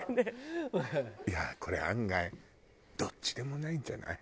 いやこれ案外どっちでもないんじゃない？